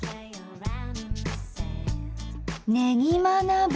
「ねぎま鍋」。